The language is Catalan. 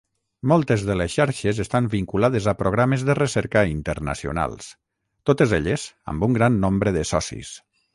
Moltes de les xarxes estan vinculades a programes de recerca internacionals; totes elles amb un gran nombre de socis.